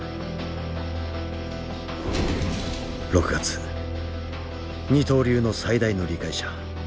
６月二刀流の最大の理解者